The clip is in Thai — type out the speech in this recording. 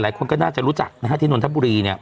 หลายคนก็น่าจะรู้จักนะฮะที่นนทบุรีเนี่ย